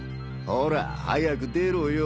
ほら早く出ろよ。